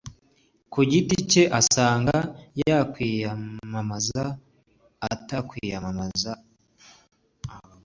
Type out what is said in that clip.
ku giti cye asanga yakwiyamamaza atakwiyamamaza abavuga batazabura kuvuga